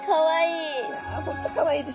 かわいい。